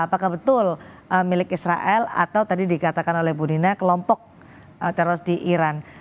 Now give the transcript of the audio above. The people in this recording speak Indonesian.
apakah betul milik israel atau tadi dikatakan oleh bu nina kelompok teroris di iran